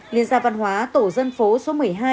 liên gia văn hóa tổ dân phố số một mươi hai